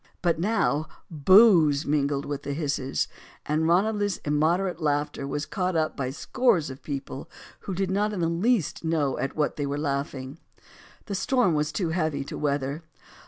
But now "boos" mingled with the hisses. And Ranelagh's immoderate laughter was caught up by scores of people who did not in the least know at what they were laughing. The storm was too heavy too weather.